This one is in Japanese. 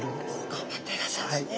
頑張っていらっしゃるんですね。